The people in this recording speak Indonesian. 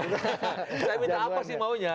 saya minta apa sih maunya